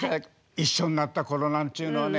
一緒になった頃なんちゅうのはね